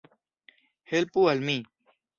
Helpu al mi.